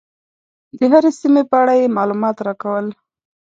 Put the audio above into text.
د هرې سیمې په اړه یې معلومات راکول.